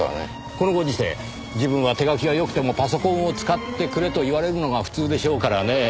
このご時世自分は手書きがよくてもパソコンを使ってくれと言われるのが普通でしょうからねぇ。